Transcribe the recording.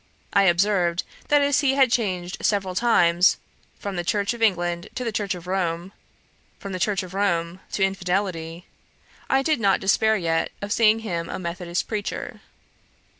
I observed, that as he had changed several times from the Church of England to the Church of Rome, from the Church of Rome to infidelity, I did not despair yet of seeing him a methodist preacher.